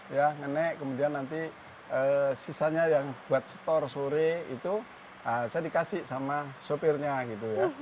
ya nenek kemudian nanti sisanya yang buat store sore itu saya dikasih sama sopirnya gitu ya